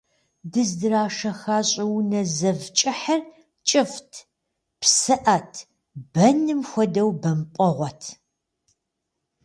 Дыздрашэха щӏыунэ зэв кӏыхьыр кӏыфӏт, псыӏэт, бэным хуэдэу бэмпӏэгъуэт.